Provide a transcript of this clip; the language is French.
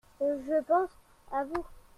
Je pense à vous.